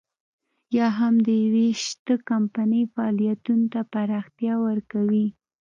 یا هم د يوې شته کمپنۍ فعالیتونو ته پراختیا ورکوي.